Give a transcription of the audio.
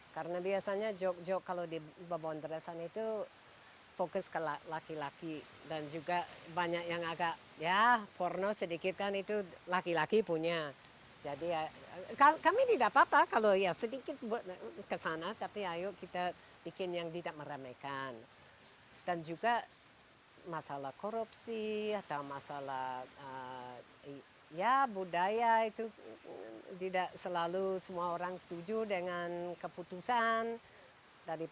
karena saya kan bekerja di dunia teknologi